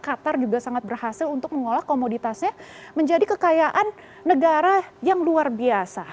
qatar juga sangat berhasil untuk mengolah komoditasnya menjadi kekayaan negara yang luar biasa